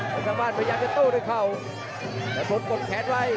แผนสร้างบ้านพยายามจะโตด้วยเขาแผนพนธ์กดแขนไว้